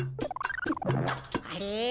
あれ？